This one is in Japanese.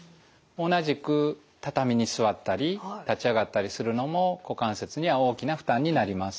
同じく畳に座ったり立ち上がったりするのも股関節には大きな負担になります。